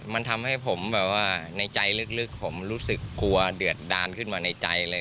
มันทำให้ผมแบบว่าในใจลึกผมรู้สึกกลัวเดือดดานขึ้นมาในใจเลย